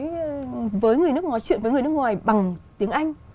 có khả năng nói với người nước ngoài chuyện với người nước ngoài bằng tiếng anh